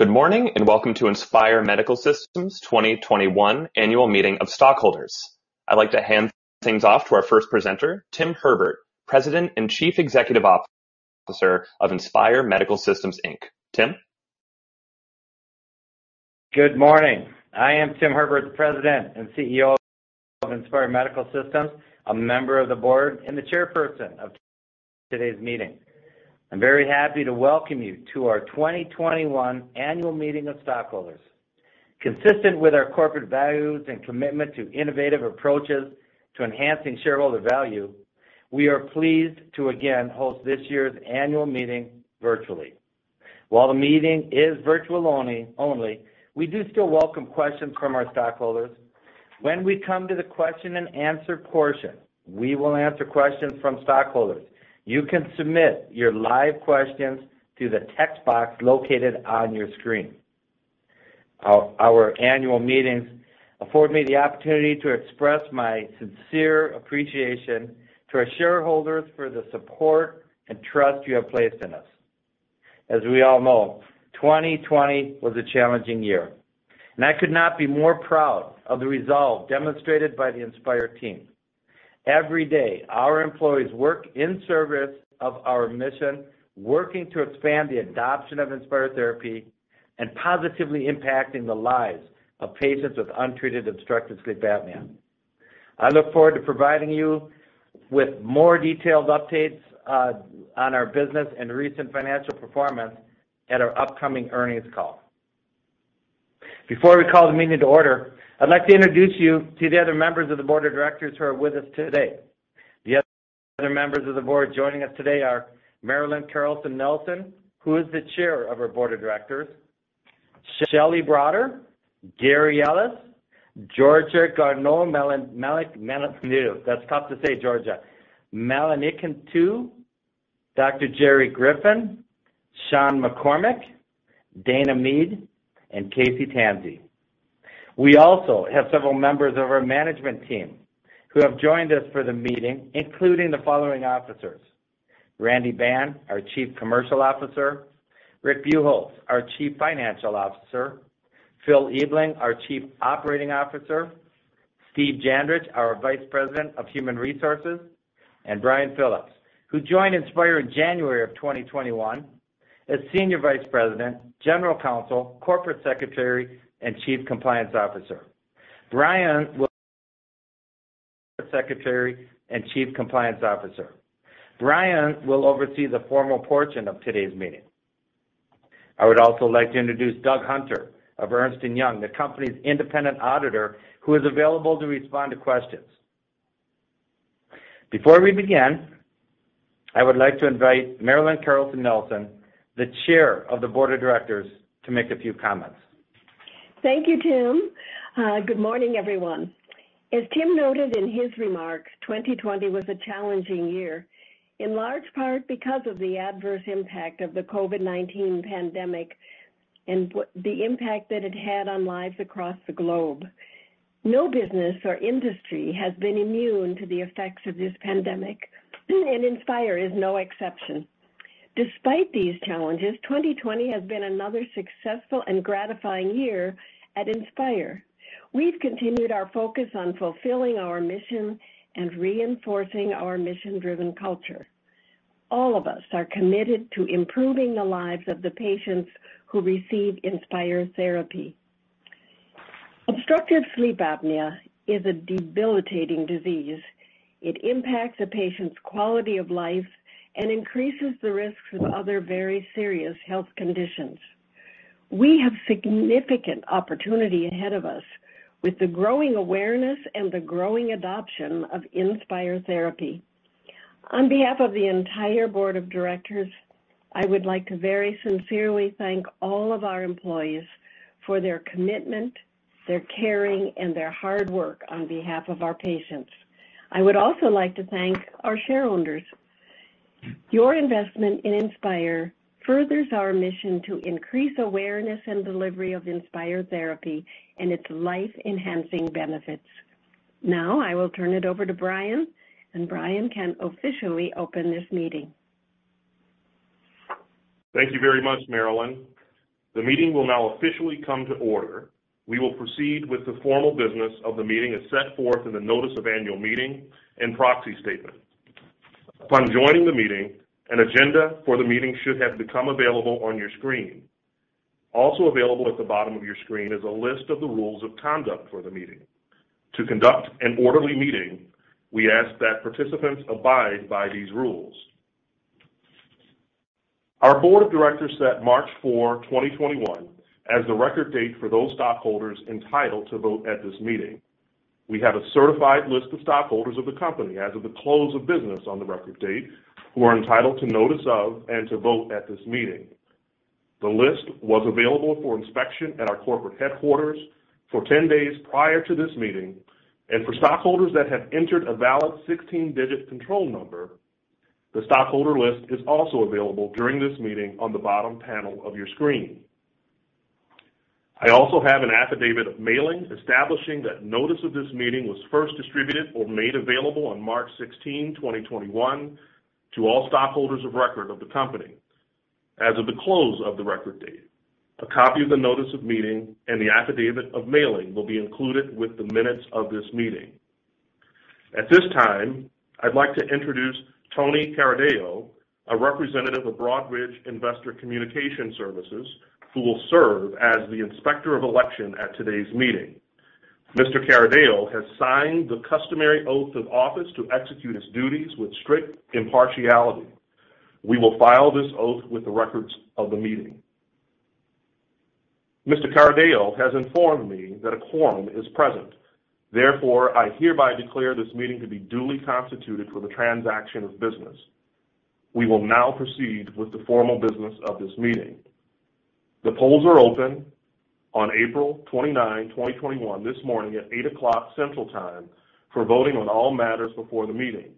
Good morning, welcome to Inspire Medical Systems 2021 Annual Meeting of Stockholders. I'd like to hand things off to our first presenter, Tim Herbert, President and Chief Executive Officer of Inspire Medical Systems, Inc. Tim? Good morning. I am Tim Herbert, the President and CEO of Inspire Medical Systems, a member of the board, and the chairperson of today's meeting. I'm very happy to welcome you to our 2021 Annual Meeting of Stockholders. Consistent with our corporate values and commitment to innovative approaches to enhancing shareholder value, we are pleased to again host this year's annual meeting virtually. While the meeting is virtual only, we do still welcome questions from our stockholders. When we come to the question-and-answer portion, we will answer questions from stockholders. You can submit your live questions to the text box located on your screen. Our annual meetings afford me the opportunity to express my sincere appreciation to our shareholders for the support and trust you have placed in us. As we all know, 2020 was a challenging year, and I could not be more proud of the resolve demonstrated by the Inspire team. Every day, our employees work in service of our mission, working to expand the adoption of Inspire therapy, and positively impacting the lives of patients with untreated obstructive sleep apnea. I look forward to providing you with more detailed updates on our business and recent financial performance at our upcoming earnings call. Before we call the meeting to order, I'd like to introduce you to the other members of the board of directors who are with us today. The other members of the board joining us today are Marilyn Carlson Nelson, who is the Chair of our Board of Directors, Shelley Broader, Gary Ellis, Georgia Garinois-Melenikiotou. That's tough to say, Georgia. Dr. Jerry Griffin, Shawn McCormick, Dana Mead, and Casey Tansey. We also have several members of our management team who have joined us for the meeting, including the following officers. Randy Ban, our Chief Commercial Officer, Rick Buchholz, our Chief Financial Officer, Phil Ebeling, our Chief Operating Officer, Steve Jandrich, our Vice President of Human Resources, and Bryan Phillips, who joined Inspire in January of 2021 as Senior Vice President, General Counsel, Corporate Secretary, and Chief Compliance Officer. Bryan will oversee the formal portion of today's meeting. I would also like to introduce Doug Hunter of Ernst & Young, the company's independent auditor, who is available to respond to questions. Before we begin, I would like to invite Marilyn Carlson Nelson, the Chair of the Board of Directors, to make a few comments. Thank you, Tim. Good morning, everyone. As Tim noted in his remarks, 2020 was a challenging year, in large part because of the adverse impact of the COVID-19 pandemic and the impact that it had on lives across the globe. No business or industry has been immune to the effects of this pandemic, and Inspire is no exception. Despite these challenges, 2020 has been another successful and gratifying year at Inspire. We've continued our focus on fulfilling our mission and reinforcing our mission-driven culture. All of us are committed to improving the lives of the patients who receive Inspire therapy. obstructive sleep apnea is a debilitating disease. It impacts a patient's quality of life and increases the risk for other very serious health conditions. We have significant opportunity ahead of us with the growing awareness and the growing adoption of Inspire therapy. On behalf of the entire Board of Directors, I would like to very sincerely thank all of our employees for their commitment, their caring, and their hard work on behalf of our patients. I would also like to thank our shareholders. Your investment in Inspire furthers our mission to increase awareness and delivery of Inspire therapy and its life-enhancing benefits. Now, I will turn it over to Bryan, and Bryan can officially open this meeting. Thank you very much, Marilyn. The meeting will now officially come to order. We will proceed with the formal business of the meeting as set forth in the notice of annual meeting and proxy statement. Upon joining the meeting, an agenda for the meeting should have become available on your screen. Also available at the bottom of your screen is a list of the rules of conduct for the meeting. To conduct an orderly meeting, we ask that participants abide by these rules. Our Board of Directors set March 4, 2021, as the record date for those stockholders entitled to vote at this meeting. We have a certified list of stockholders of the company as of the close of business on the record date, who are entitled to notice of and to vote at this meeting. The list was available for inspection at our corporate headquarters for 10 days prior to this meeting, and for stockholders that have entered a valid 16-digit control number, the stockholder list is also available during this meeting on the bottom panel of your screen. I also have an affidavit of mailing establishing that notice of this meeting was first distributed or made available on March 16, 2021, to all stockholders of record of the company as of the close of the record date. A copy of the notice of meeting and the affidavit of mailing will be included with the minutes of this meeting. At this time, I'd like to introduce Tony Carideo, a representative of Broadridge Investor Communication Solutions, who will serve as the inspector of election at today's meeting. Mr. Carideo has signed the customary oath of office to execute his duties with strict impartiality. We will file this oath with the records of the meeting. Mr. Carideo has informed me that a quorum is present. Therefore, I hereby declare this meeting to be duly constituted for the transaction of business. We will now proceed with the formal business of this meeting. The polls are open on April 29, 2021, this morning at 8:00 A.M. Central Time, for voting on all matters before the meeting.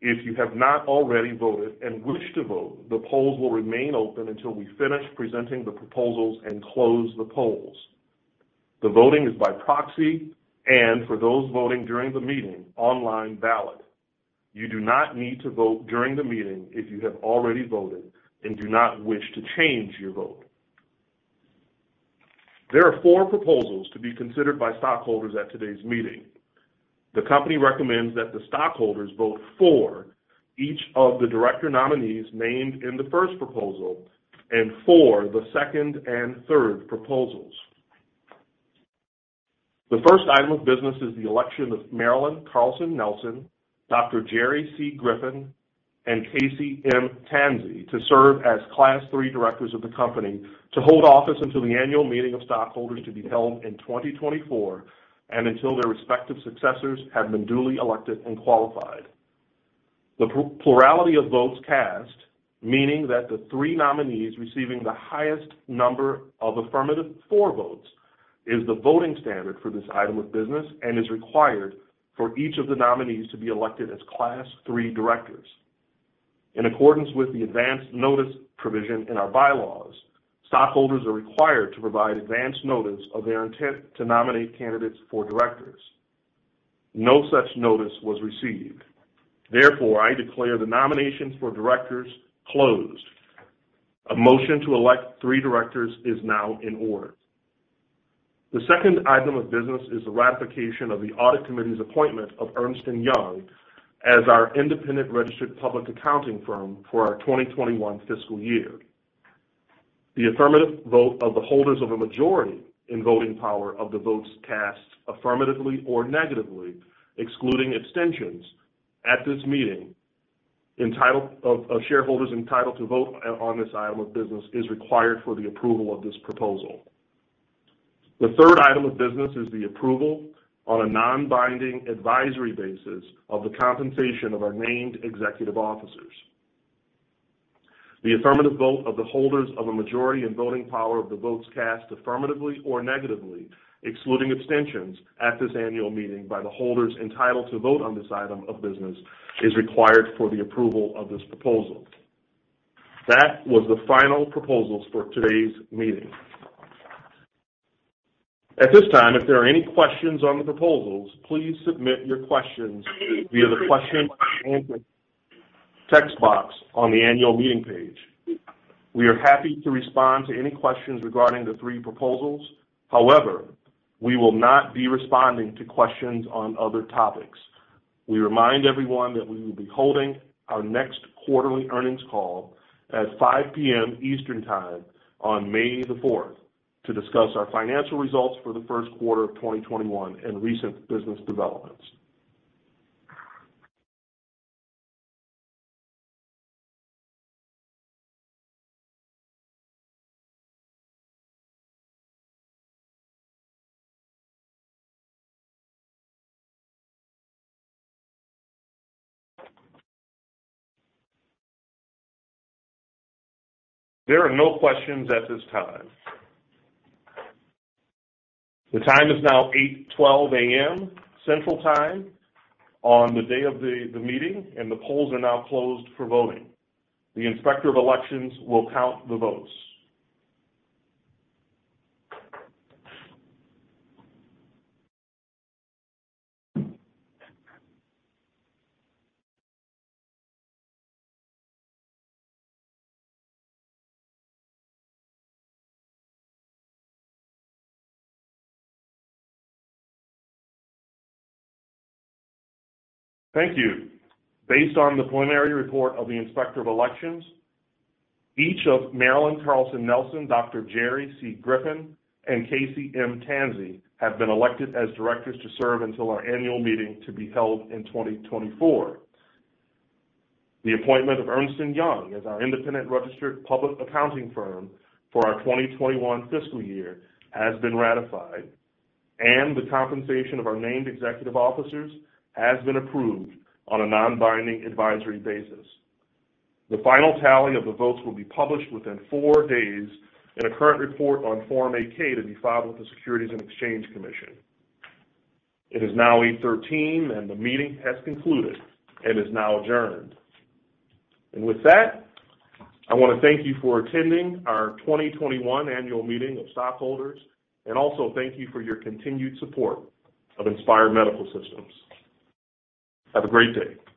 If you have not already voted and wish to vote, the polls will remain open until we finish presenting the proposals and close the polls. The voting is by proxy and, for those voting during the meeting, online ballot. You do not need to vote during the meeting if you have already voted and do not wish to change your vote. There are four proposals to be considered by stockholders at today's meeting. The company recommends that the stockholders vote for each of the director nominees named in the first proposal and for the second and third proposals. The first item of business is the election of Marilyn Carlson Nelson, Dr. Jerry C. Griffin, and Casey M. Tansey to serve as Class III directors of the company to hold office until the annual meeting of stockholders to be held in 2024 and until their respective successors have been duly elected and qualified. The plurality of votes cast, meaning that the three nominees receiving the highest number of affirmative "for" votes is the voting standard for this item of business and is required for each of the nominees to be elected as Class III directors. In accordance with the advance notice provision in our bylaws, stockholders are required to provide advance notice of their intent to nominate candidates for directors. No such notice was received. I declare the nominations for directors closed. A motion to elect three directors is now in order. The second item of business is the ratification of the audit committee's appointment of Ernst & Young as our independent registered public accounting firm for our 2021 fiscal year. The affirmative vote of the holders of a majority in voting power of the votes cast affirmatively or negatively, excluding abstentions at this meeting of shareholders entitled to vote on this item of business is required for the approval of this proposal. The third item of business is the approval on a non-binding advisory basis of the compensation of our named executive officers. The affirmative vote of the holders of a majority in voting power of the votes cast affirmatively or negatively, excluding abstentions at this annual meeting by the holders entitled to vote on this item of business is required for the approval of this proposal. That was the final proposals for today's meeting. At this time, if there are any questions on the proposals, please submit your questions via the question-and-answer text box on the annual meeting page. We are happy to respond to any questions regarding the three proposals. We will not be responding to questions on other topics. We remind everyone that we will be holding our next quarterly earnings call at 5:00 P.M. Eastern Time on May 4th to discuss our financial results for the first quarter of 2021 and recent business developments. There are no questions at this time. The time is now 8:12 A.M. Central Time on the day of the meeting, and the polls are now closed for voting. The inspector of elections will count the votes. Thank you. Based on the preliminary report of the inspector of elections, each of Marilyn Carlson Nelson, Dr. Jerry C. Griffin, and Casey M. Tansey have been elected as directors to serve until our annual meeting to be held in 2024. The appointment of Ernst & Young as our independent registered public accounting firm for our 2021 fiscal year has been ratified, and the compensation of our named executive officers has been approved on a non-binding advisory basis. The final tally of the votes will be published within four days in a current report on Form 8-K to be filed with the Securities and Exchange Commission. It is now 8:13 A.M., and the meeting has concluded and is now adjourned. With that, I want to thank you for attending our 2021 annual meeting of stockholders and also thank you for your continued support of Inspire Medical Systems. Have a great day.